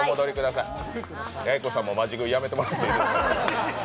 やいこさんもマジ食い、やめてもらっていいですか？